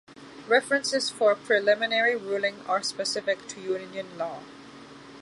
References for a preliminary ruling are specific to Union law.